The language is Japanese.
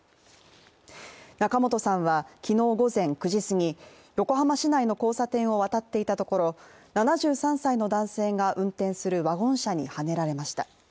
仲本さんは昨日午前９時すぎ、横浜市内の交差点を渡っていたところ７３歳の男性が運転するワゴン車にはねられました。